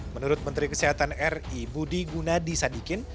menurut menteri kesehatan ri budi gunadi sadikin